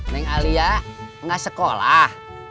neng alia gak sekolah